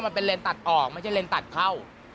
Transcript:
มันเป็นเลนตัดออกไม่ใช่เลนตัดเข้า